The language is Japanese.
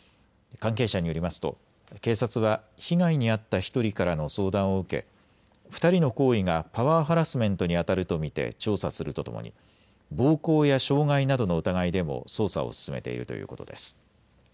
関係者によりますと警察は被害に遭った１人からの相談を受け２人の行為がパワーハラスメントにあたると見て調査するとともに暴行や傷害などの疑いでも捜査を進めているということです。